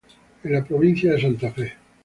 En la Provincia de Santa Fe.